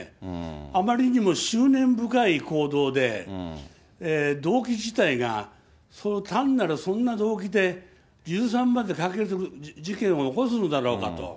あまりにも執念深い行動で、動機自体が、単なるそんな動機で、硫酸までかける事件を起こすのだろうかと。